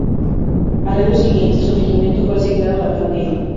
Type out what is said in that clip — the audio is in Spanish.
Al año siguiente, su regimiento fue asignado a Tandil.